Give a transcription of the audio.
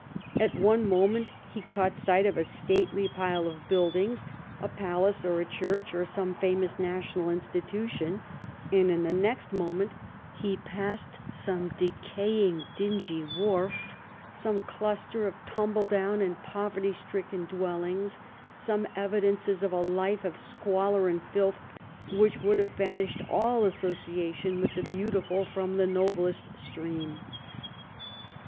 At one moment he caught sight of some stately pile of buildings, a 214 THE LONDON OF QUEEN ANNE palace, or a church, or some famous national institu tion, and in the next moment he passed some decaying, dingy wharf, some cluster of tumble down and poverty stricken dwellings, some evidences of a life of squalor and filth which would have banished all association with the beautiful from the noblest stream.